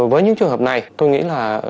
với những trường hợp này tôi nghĩ là